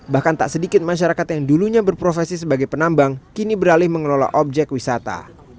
bahkan tak sedikit masyarakat yang dulunya berprofesi sebagai penambang kini beralih mengelola objek wisata